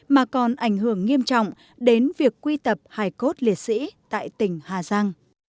mà còn ảnh hưởng nghiêm trọng đến việc quy tập hải cốt liệt sĩ tại tỉnh hà giang